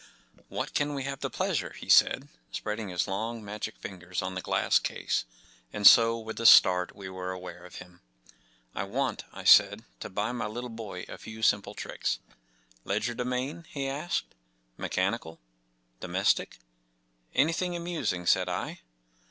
“ What can we have the pleasure ? ” he said, spreading his long, magic fingers on the glass case; and so with a start w’e were aware of him. “ I want,” I said, “ to buy my little boy a few simple tricks.” “ Legerdemain ?” he asked. “ Mechanical ? Domestic ? ” “ Anything amusing,” said I.